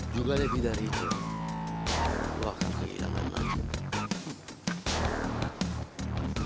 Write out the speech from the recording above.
juga lebih dari itu lo akan kehilangan nangis